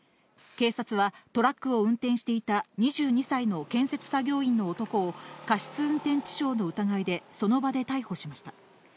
警察は、トラックを運転していた２２歳の建設作業員の男を、過失運転致傷の疑いでその場で逮捕しました。